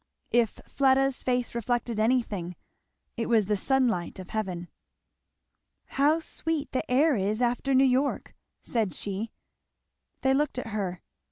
If Fleda's face reflected anything it was the sunlight of heaven. "How sweet the air is after New York!" said she. They looked at her.